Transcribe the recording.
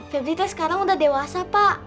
febri teh sekarang udah dewasa pak